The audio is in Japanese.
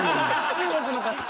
中国の方。